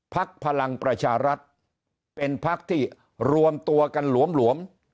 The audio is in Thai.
พลังประชารัฐเป็นพักที่รวมตัวกันหลวม